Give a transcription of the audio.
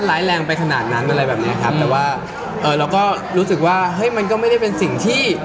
แล้วก็รู้สึกว่ามันก็ไม่ได้เป็นสิ่งที่